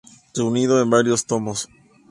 Reunido en varios tomos.